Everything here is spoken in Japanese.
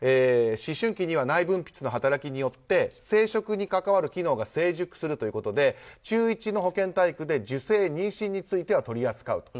思春期には内分泌の働きによって生殖に関わる機能が成熟するということで中１の保健体育で受精・妊娠については取り扱う。